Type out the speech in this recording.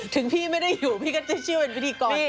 ถึงพี่ไม่ได้อยู่พี่ก็จะเชื่อว่าเป็นพิธีกร